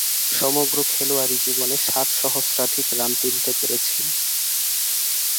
সমগ্র খেলোয়াড়ী জীবনে সাত সহস্রাধিক রান তুলতে পেরেছেন।